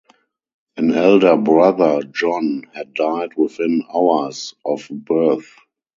An elder brother, John, had died within hours of birth.